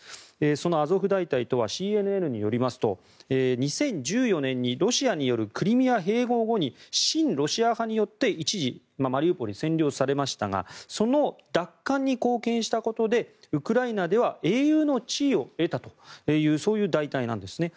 そのアゾフ大隊とはＣＮＮによりますと２０１４年にロシアによるクリミア併合後に親ロシア派によって一時、マリウポリは占領されましたがその奪還に貢献したことでウクライナでは英雄の地位を得たという大隊なんですね。